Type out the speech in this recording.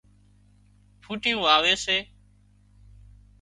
ڦُوٽيون واوي سي